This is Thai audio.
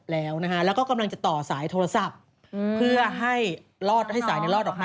แล้วก็กำลังจะต่อสายโทรศัพท์เพื่อให้รอดให้สายนี้รอดออกมา